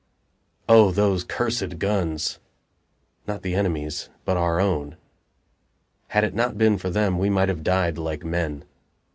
O those cursed guns! not the enemy's, but our own. Had it not been for them, we might have died like men.